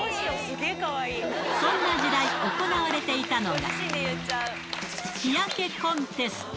そんな時代、行われていたのが。